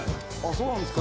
そうなんですか。